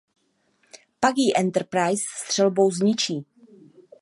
Pak ji Enterprise střelbou zničí.